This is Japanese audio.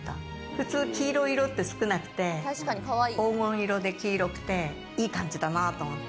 普通、黄色い色って少なくて、黄金色で黄色くていい感じだなって。